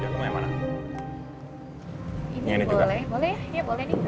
ini boleh boleh ya boleh nih